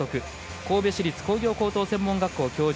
神戸市立神戸高等専門学校教授